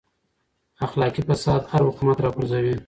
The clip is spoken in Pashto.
اخلاقي فساد هر حکومت راپرځوي.